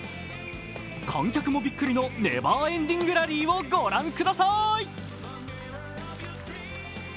観客もびっくりなネバーエンディングラリーを御覧ください。